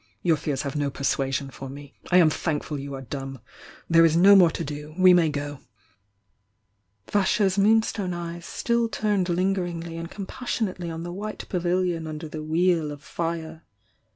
— your fears have no persuasion for me! I amthankful you are dumb! There is no more *°vS^^I moonstone eyes still turned linge.ingly and compassionately on the white Pavilion under the Wheel of fire.